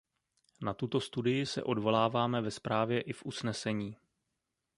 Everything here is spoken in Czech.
Na tuto studii se odvoláváme ve zprávě i v usnesení.